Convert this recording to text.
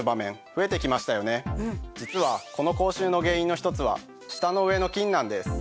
実はこの口臭の原因の１つは舌の上の菌なんです。